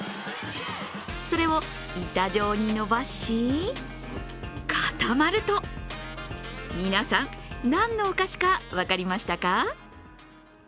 それを板状に伸ばしかたまると皆さん、何のお菓子か分かりましたか？